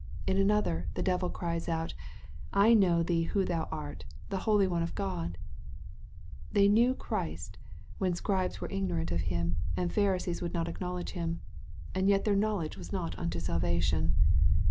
ij another, the devil cries out, " I know thee who thou art, the Holy One of God/' They knew Christ, when Scribes were ignorant of Him, and Pharisees would not acknow ledge Him. And yet their knowledge was not unto salvation.